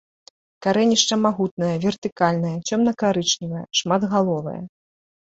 Карэнішча магутнае, вертыкальнае, цёмна-карычневае, шматгаловае.